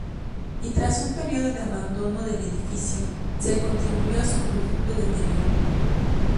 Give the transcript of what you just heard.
Y tras un periodo de abandono del edificio que contribuyó a su profundo deterioro.